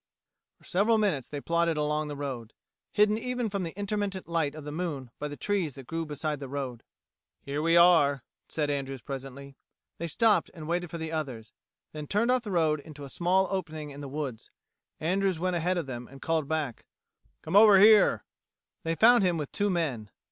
For several minutes they plodded along the road, hidden even from the intermittent light of the moon by the trees that grew beside the road. "Here we are," said Andrews presently. They stopped and waited for the others; then turned off the road into a small opening in the woods. Andrews went ahead of them, and called back, "Come over here." They found him with two men.